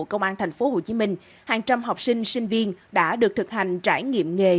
công an tp hồ chí minh hàng trăm học sinh sinh viên đã được thực hành trải nghiệm nghề